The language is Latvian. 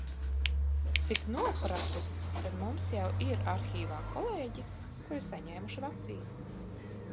Cik nopratu, tad mums jau ir arhīvā kolēģi, kuri saņēmuši vakcīnu.